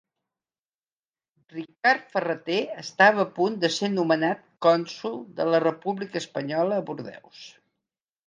Ricard Ferrater estava a punt de ser nomenat cònsol de la República Espanyola a Bordeus.